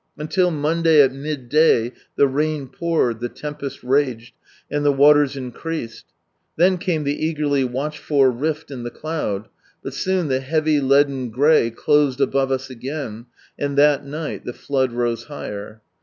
Until Monday at midday the rain poured, the tempest raged, and the waters increased. Then came the eagerly walched for rift in the cloud ; but soon the heavy leaden grey closed above us again, and that night the flood rose higher.